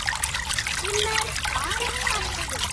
பின்னர் அறவே மறைந்தது.